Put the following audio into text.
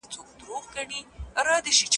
نعمتونه که یې هر څومره ډیریږي